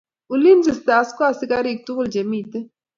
Ulinzi stars ko asikarik tugul che miten